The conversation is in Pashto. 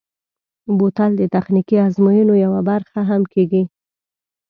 بوتل د تخنیکي ازموینو یوه برخه هم کېږي.